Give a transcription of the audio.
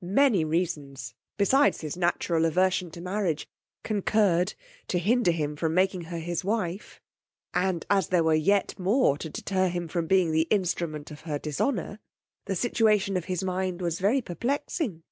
Many reasons, besides his natural aversion to marriage, concurred to hinder him from making her his wife; and as there were yet more to deter him from being the instrument of her dishonour, the situation of his mind was very perplexing.